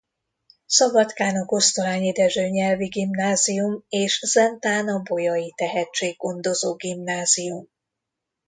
Szabadkán a Kosztolányi Dezső Nyelvi Gimnázium és Zentán a Bolyai Tehetséggondozó Gimnázium.